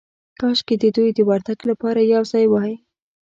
کاشکې د دوی د ورتګ لپاره یو ځای وای.